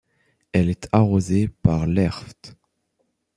Elle est arrosée par l’Erft.